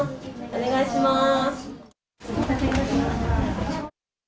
お願いします。